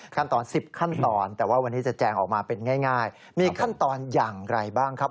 ขั้นตอน๑๐ขั้นตอนแต่ว่าวันนี้จะแจงออกมาเป็นง่ายมีขั้นตอนอย่างไรบ้างครับ